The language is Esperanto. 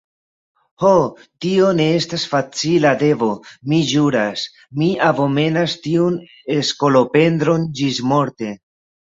Ho, tio ne estas facila devo, mi ĵuras: mi abomenas tiun skolopendron ĝismorte.